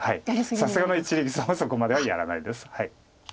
さすがの一力さんもそこまではやらないです。